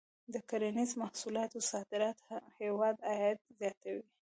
د کرنیزو محصولاتو صادرات د هېواد عاید زیاتوي.